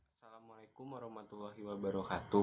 assalamualaikum warahmatullahi wabarakatuh